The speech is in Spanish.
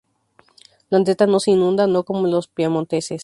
Landeta no se inunda no como los piamonteses.